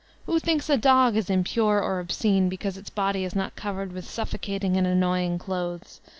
Who thinks a dog b impure Sex Slavery 3S3 or obscene because its body is not covered with suffo cating and annoying clothes?